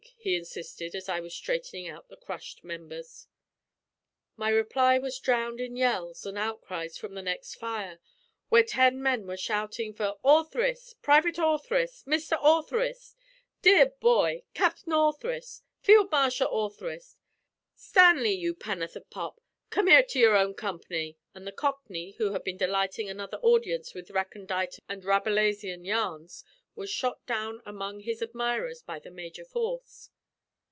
he insisted, as I was straightening out the crushed members. My reply was drowned in yells and outcries from the next fire, where ten men were shouting for "Orth'ris!" "Privit Orth'ris!" "Mistah Or ther is!" "Deah Boy!" "Cap'n Orth'ris!" "Field Marshal Orth'ris!" "Stanley, you penn'orth o' pop, come 'ere to your own comp'ny!" And the Cockney, who had been delighting another audience with recondite and Rabelaisian yarns, was shot down among his admirers by the major force.